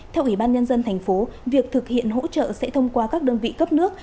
theo ủy ban nhân dân thành phố việc thực hiện hỗ trợ sẽ thông qua các đơn vị cấp nước